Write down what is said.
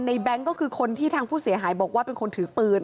แบงค์ก็คือคนที่ทางผู้เสียหายบอกว่าเป็นคนถือปืน